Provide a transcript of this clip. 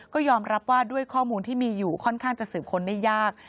ก็ยอมรับว่าด้วยข้อมูลที่มีอยู่ค่อนข้างจะสืบค้นได้ยาก